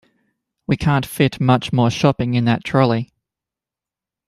We can’t fit much more shopping in that trolley